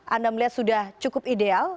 anda melihat sudah cukup ideal